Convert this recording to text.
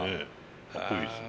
かっこいいですね。